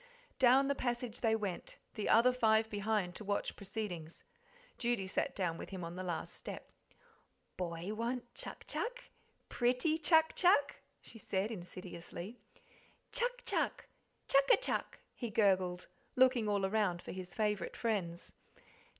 Down the passage they went, the other five behind to watch proceedings. Judy sat down with him on the last step. "Boy want chuck chuck, pretty chuck chuck?" she said insidiously. "Chuck chuck, chuck a chuck," he gurgled, looking all around for his favourite friends.